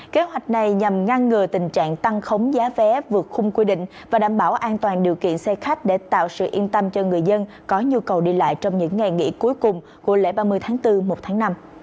kế hoạch này nhằm ngăn ngừa tình trạng tăng khống giá vé vượt khung quy định và đảm bảo an toàn điều kiện xe khách để tạo sự yên tâm cho người dân có nhu cầu đi lại trong những ngày nghỉ cuối cùng của lễ ba mươi tháng bốn một tháng năm